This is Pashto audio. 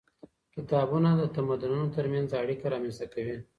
کتابونه د تمدنونو ترمنځ اړيکه رامنځته کوي.